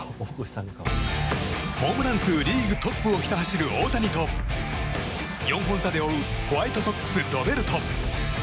ホームラン数リーグトップをひた走る大谷と４本差で追うホワイトソックス、ロベルト。